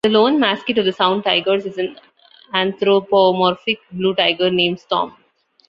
The lone mascot of the Sound Tigers is an anthropomorphic blue tiger named Storm.